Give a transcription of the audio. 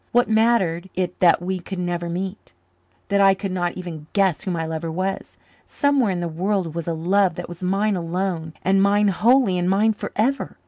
What mattered it that we could never meet that I could not even guess who my lover was? Somewhere in the world was a love that was mine alone and mine wholly and mine forever.